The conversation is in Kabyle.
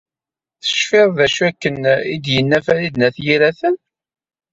Tecfiḍ d acu akken i d-yenna Farid n At Yiraten?